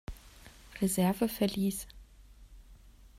Reserve verließ.